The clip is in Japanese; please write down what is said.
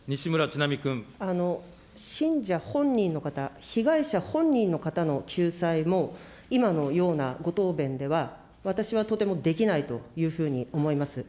信者本人の方、被害者本人の方の救済も、今のようなご答弁では、私はとてもできないというふうに思います。